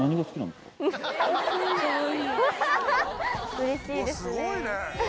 ⁉うれしいですね。